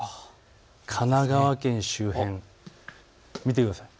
神奈川県周辺、見てください。